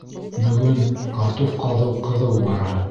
Бөгөн картуф ҡаҙыу ҡыҙыу бара.